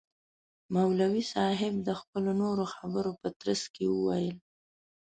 مولوی صاحب د خپلو نورو خبرو په ترڅ کي وویل.